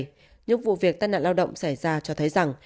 đây những vụ việc tai nạn lao động xảy ra cho thấy rằng